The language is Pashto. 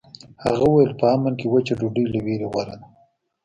هغه وویل په امن کې وچه ډوډۍ له ویرې غوره ده.